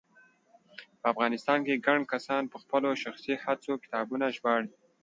په افغانستان کې ګڼ کسان په خپلو شخصي هڅو کتابونه ژباړي